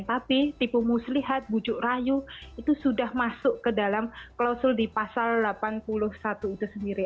tapi tipu muslihat bujuk rayu itu sudah masuk ke dalam klausul di pasal delapan puluh satu itu sendiri